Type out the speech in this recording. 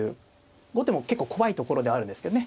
後手も結構怖いところではあるんですけどね。